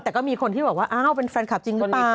แต่ก็มีคนที่บอกว่าอ้าวเป็นแฟนคลับจริงหรือเปล่า